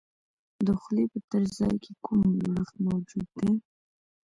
د خولې په تش ځای کې کوم جوړښت موجود دی؟